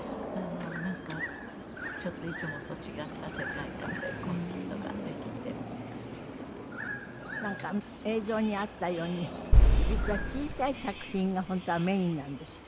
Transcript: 「なんかちょっといつもと違った世界観でコンサートができて」なんか映像にあったように実は小さい作品が本当はメインなんですって？